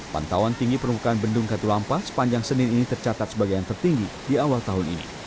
pantauan tinggi permukaan bendung katulampa sepanjang senin ini tercatat sebagai yang tertinggi di awal tahun ini